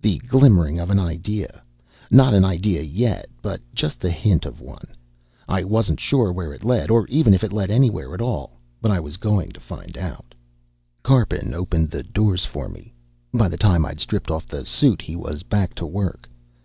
The glimmering of an idea, not an idea yet but just the hint of one. I wasn't sure where it led, or even if it led anywhere at all, but I was going to find out. Karpin opened the doors for me. By the time I'd stripped off the suit he was back to work.